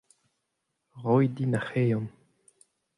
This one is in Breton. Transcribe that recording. Roit din ar c'hreion.